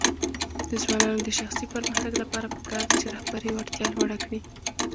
د ځوانانو د شخصي پرمختګ لپاره پکار ده چې رهبري وړتیا لوړه کړي.